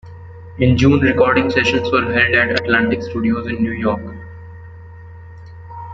In June, recording sessions were held at Atlantic Studios in New York.